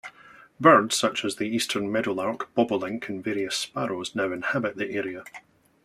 Birds such as the Eastern meadowlark, bobolink, and various sparrows now inhabit the area.